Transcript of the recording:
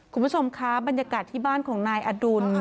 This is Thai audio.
คุณผู้ชมคะบรรยากาศที่บ้านของนายอดุล